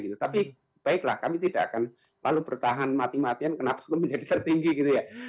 tapi baiklah kami tidak akan lalu bertahan mati matian kenapa kami menjadi tertinggi